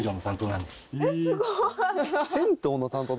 えっすごい！